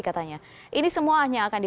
katanya ini semuanya akan di